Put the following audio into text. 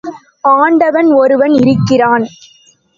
ஆண்டவன் ஒருவன் இருக்கிறான்.